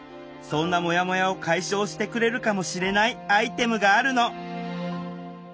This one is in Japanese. そんなモヤモヤを解消してくれるかもしれないアイテムがあるの